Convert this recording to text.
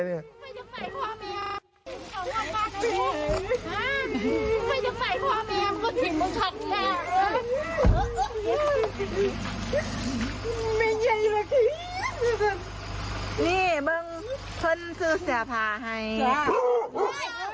นี่เมื่อเชิญซื้อเสียภาพ